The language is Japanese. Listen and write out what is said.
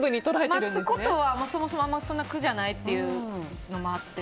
待つことはそもそもそんな苦じゃないのもあって。